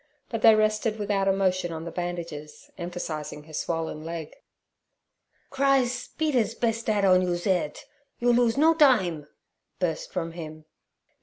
But they rested without emotion on the bandages emphasizing her swollen leg. 'Chrise! Peder's best 'at on yous 'eadt. You lose no dime' burst from him.